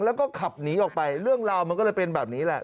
แล้วก็ขับหนีออกไปเรื่องราวมันก็เลยเป็นแบบนี้แหละ